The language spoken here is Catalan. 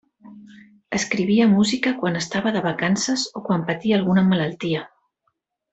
Escrivia música quan estava de vacances o quan patia alguna malaltia.